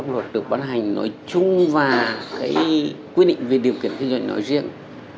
và quy định pháp luật được ban hành nói chung và cái quy định về điều kiện kinh doanh nói riêng